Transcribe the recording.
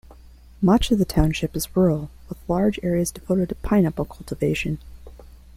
Much of the township is rural, with large areas devoted to pineapple cultivation.